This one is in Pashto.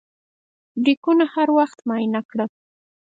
بریکونه هر وخت معاینه کړه.